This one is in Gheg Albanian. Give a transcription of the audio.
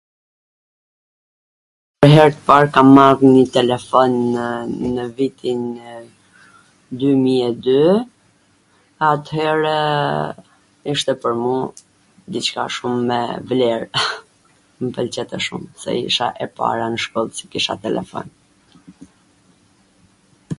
pwr her t par kam marr nw telefon nw vitin dymij e dy, at-herw ishte pwr mu diCka shum me vler, mw pwlqente shum se isha e para nw shkoll qw kisha telefon.